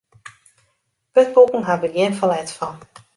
Wurdboeken haw ik gjin ferlet fan.